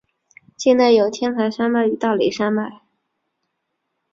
境内有天台山脉与大雷山脉。